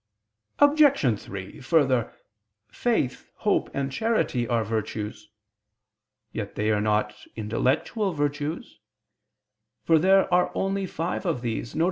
Obj. 3: Further, faith, hope, and charity are virtues. Yet they are not intellectual virtues: for there are only five of these, viz.